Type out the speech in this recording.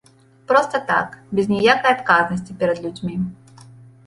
Проста так, без ніякай адказнасці перад людзьмі.